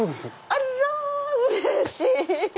あらうれしい！